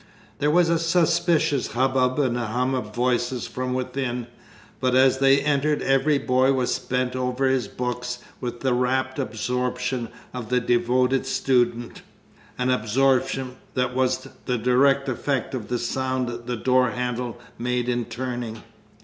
There was a suspicious hubbub and hum of voices from within; but as they entered every boy was bent over his books with the rapt absorption of the devoted student an absorption that was the direct effect of the sound the door handle made in turning.